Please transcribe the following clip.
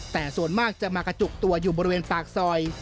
แต่ส่วนมากจะมากระจุกตัวอยู่บริเวณปากซอย